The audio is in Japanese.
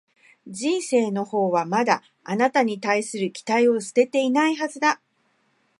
人生のほうはまだ、あなたに対する期待を捨てていないはずだ